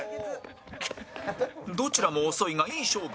どちらも遅いがいい勝負